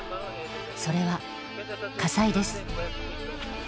それは火災です。